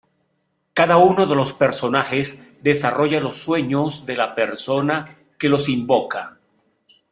Cada uno de los personajes desarrolla los sueños de la persona que los invoca.